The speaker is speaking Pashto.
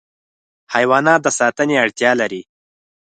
حیوانات د ساتنې اړتیا لري.